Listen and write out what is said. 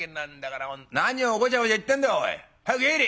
「何をごちゃごちゃ言ってんだよおい。早く入れ！」。